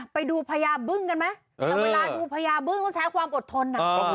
ไปดูพญาบึ้งกันไหมแต่เวลาดูพญาบึ้งต้องใช้ความอดทน